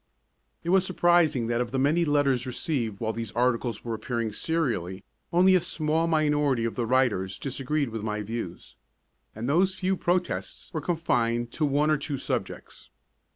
It was surprising that of the many letters received while these articles were appearing serially, only a small minority of the writers disagreed with my views, and those few protests were confined to one or two subjects.